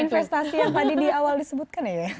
investasi yang tadi di awal disebutkan ya